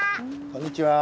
こんにちは。